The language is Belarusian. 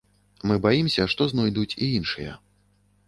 Мы баімся, што знойдуць і іншыя.